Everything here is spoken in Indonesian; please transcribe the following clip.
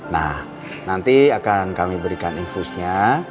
nah nanti akan kami berikan infusnya